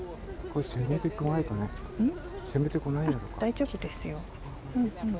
大丈夫ですよ。